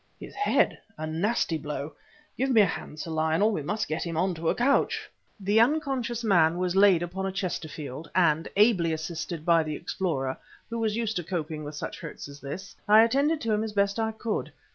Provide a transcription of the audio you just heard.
"His head! A nasty blow. Give me a hand, Sir Lionel; we must get him on to a couch." The unconscious man was laid upon a Chesterfield, and, ably assisted by the explorer, who was used to coping with such hurts as this, I attended to him as best I could.